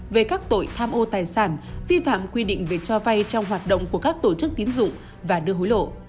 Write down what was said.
về các tội tham ô tài sản vi phạm quy định về cho vay trong hoạt động của các tổ chức tín dụng và đưa hối lộ